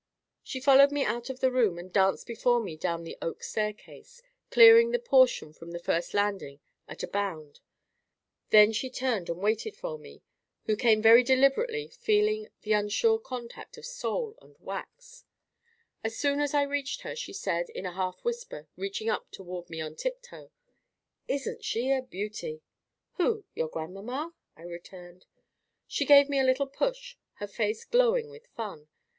She followed me out of the room, and danced before me down the oak staircase, clearing the portion from the first landing at a bound. Then she turned and waited for me, who came very deliberately, feeling the unsure contact of sole and wax. As soon as I reached her, she said, in a half whisper, reaching up towards me on tiptoe— "Isn't she a beauty?" "Who? your grandmamma?" I returned. She gave me a little push, her face glowing with fun.